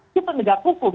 di pendidak hukum